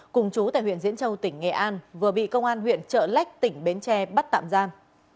cùng chú tại huyện diễn châu tỉnh nghệ an vừa bị công an huyện trợ lách tỉnh bến tre bắt tạm giam